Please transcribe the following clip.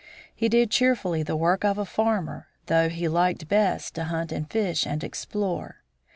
He did cheerfully the work of a farmer, though he liked best to hunt and fish and explore.